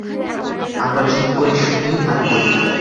আমরা চুপ করে শুনি আর করি।